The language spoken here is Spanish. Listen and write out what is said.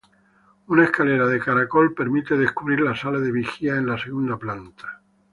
Una escalera de caracol permite descubrir la sala de vigía en la segunda planta.